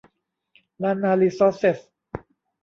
ลานนารีซอร์สเซส